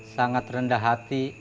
sangat rendah hati